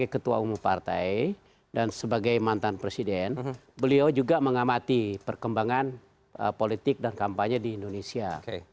ketua umum partai dan sebagai mantan presiden beliau juga mengamati perkembangan politik dan kampanye di indonesia